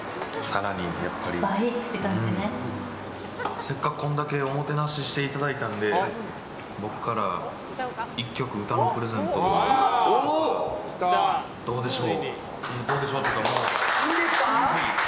せっかくこれだけおもてなししていただいたので僕から、１曲歌のプレゼントをどうでしょう。